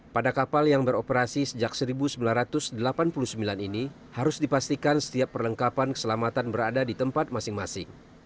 pada kapal yang beroperasi sejak seribu sembilan ratus delapan puluh sembilan ini harus dipastikan setiap perlengkapan keselamatan berada di tempat masing masing